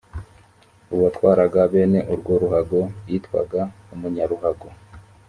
uwatwaraga bene urwo ruhago yitwaga umunyaruhago